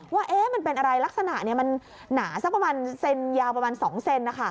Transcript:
ว่ามันเป็นอะไรลักษณะมันหนาสักประมาณเซนยาวประมาณ๒เซน